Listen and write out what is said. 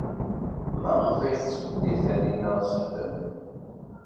Maɣef ay tbeddel Taninna asentel?